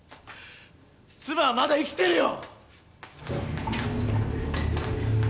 妻はまだ生きてるよ！